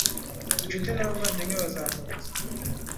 inshuti n'abavandimwe bazamuhoza.